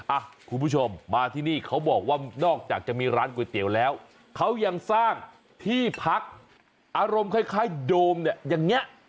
อ่ะคุณผู้ชมมาที่นี่เขาบอกว่านอกจากจะมีร้านก๋วยเตี๋ยวแล้วเขายังสร้างที่พักอารมณ์คล้ายโดมเนี่ยอย่างนี้